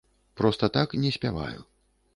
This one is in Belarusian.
Проста так не спяваю.